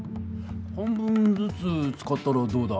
半分ずつ使ったらどうだ？